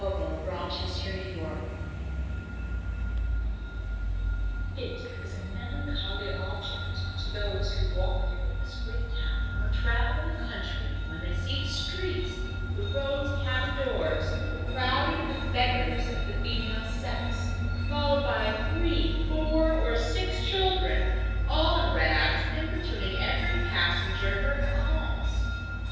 by Dr. Jonathan Swift 1729 It is a melancholy object to those, who walk through this great town, or travel in the country, when they see the streets, the roads, and cabbin doors crowded with beggars of the female sex, followed by three, four, or six children, all in rags, and importuning every passenger for an alms.